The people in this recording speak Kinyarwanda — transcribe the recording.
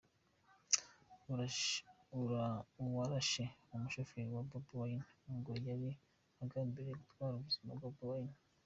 Uwarashe umushoferi wa Bobi Wine, ngo “yari agambiriye gutwara ubuzima bwa Bobi Wine.